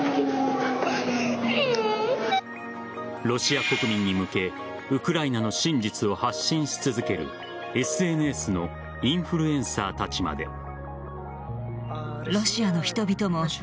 ロシア国民に向けウクライナの真実を発信し続けるＳＮＳのインフルエンサーたちまで。